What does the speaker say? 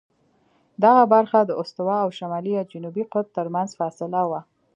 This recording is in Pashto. دغه برخه د استوا او شمالي یا جنوبي قطب ترمنځ فاصله وه.